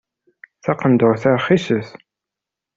Taqendurt-a rxiset.